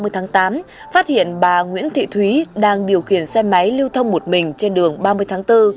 ba mươi tháng tám phát hiện bà nguyễn thị thúy đang điều khiển xe máy lưu thông một mình trên đường ba mươi tháng bốn